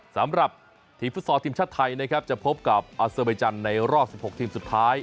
สำหรับทีมฟุตศอร์ทีมชาติไทยนะครับจะพบกับอสเวจันในรอบ๑๖ทีมสุดท้าย